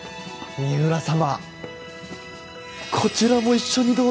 三浦様